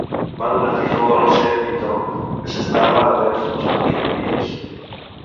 Va donar Tifó a la serp Pitó, que s'estava a Delfos, perquè el criés.